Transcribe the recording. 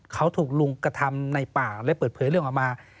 เขาถูกลุงกระทำในป่าและเปิดเผยเรื่องออกมา